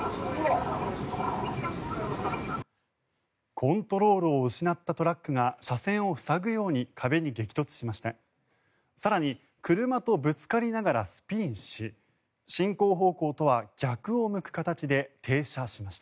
コントロールを失ったトラックが車線を塞ぐように壁に激突しました。